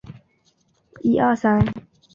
它们原产于巴西至墨西哥。